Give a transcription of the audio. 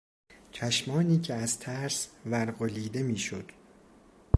چشمانی که از ترس ورقلیده میشد